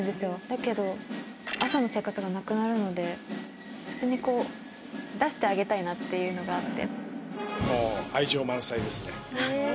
だけど朝の生活がなくなるので普通にこう出してあげたいなっていうのがあって。